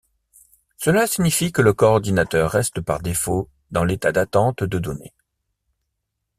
Cela signifie que le coordinateur reste par défaut dans l'état d'attente de données.